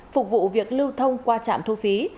phục vụ việc lưu thông qua trạm thu phí